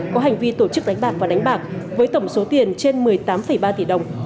có hành vi tổ chức đánh bạc và đánh bạc với tổng số tiền trên một mươi tám ba tỷ đồng